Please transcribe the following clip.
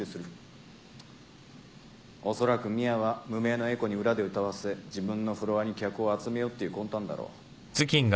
おそらくミアは無名の英子に裏で歌わせ自分のフロアに客を集めようっていう魂胆だろ。